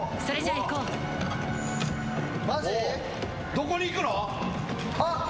どこに行くの？